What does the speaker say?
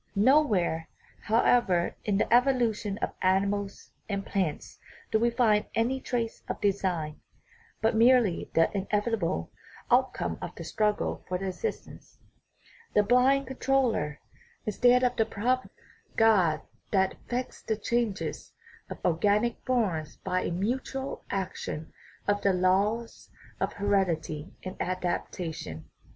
Nowhere, however, in the evolution of animals and plants do we find any trace of design, but merely the inevitable outcome of the struggle for existence, the blind controller, instead of the provident 268 THE UNITY OF NATURE God, that effects the changes of organic forms by a mu tual action of the laws of heredity and adaptation.